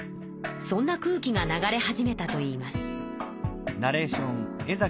そんな空気が流れ始めたといいます。